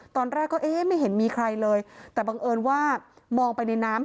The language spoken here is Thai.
ตอนแรกก็เอ๊ะไม่เห็นมีใครเลยแต่บังเอิญว่ามองไปในน้ำ